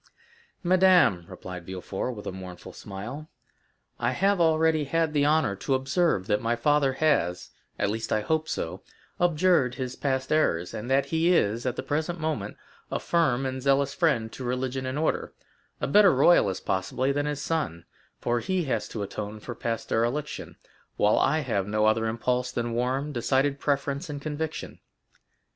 "Madame," replied Villefort, with a mournful smile, "I have already had the honor to observe that my father has—at least, I hope so—abjured his past errors, and that he is, at the present moment, a firm and zealous friend to religion and order—a better royalist, possibly, than his son; for he has to atone for past dereliction, while I have no other impulse than warm, decided preference and conviction."